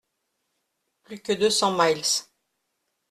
Plus que deux cents miles.